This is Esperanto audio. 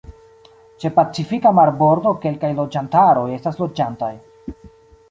Ĉe Pacifika marbordo kelkaj loĝantaroj estas loĝantaj.